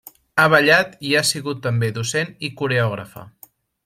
Ha ballat i ha sigut també docent i coreògrafa.